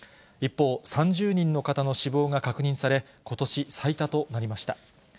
一方、３０人の方の死亡が確認され、ことし最多となりました。